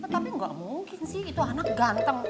tapi nggak mungkin sih itu anak ganteng